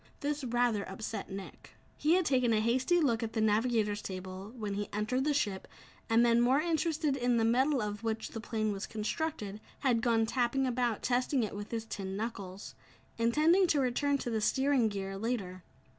This rather upset Nick. He had taken a hasty look at the navigator's table when he entered the ship and then, more interested in the metal of which the plane was constructed, had gone tapping about, testing it with his tin knuckles intending to return to the steering gear later.